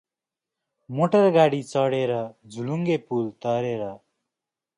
Motor गाडी चढेर, झोलुङ्गे पुल तरेर ।